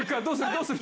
どうする？